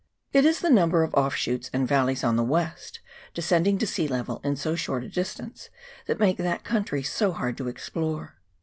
It is the number of offshoots and valleys on the west, descending to sea level in so short a distance, that make that country so hard to explore.